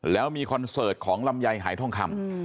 แล้วมีคอนเสิร์ตของลำไยหายทองคำ